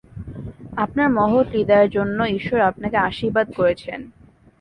আপনার মহৎ হৃদয়ের জন্য ঈশ্বর আপনাকে আশীর্বাদ করেছেন।